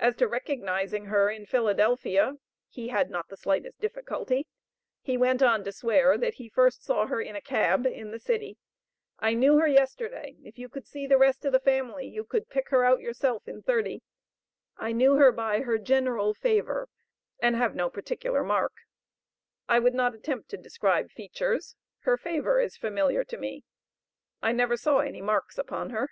As to recognizing her in Philadelphia, he had not the slightest difficulty. He went on to swear, that he first saw her in a cab, in the city; I knew her yesterday; if you could see the rest of the family you could pick her out yourself in thirty: I knew her by her general favor, and have no particular mark; I would not attempt to describe features; her favor is familiar to me; I never saw any marks upon her."